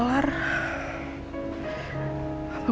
gue udah nangis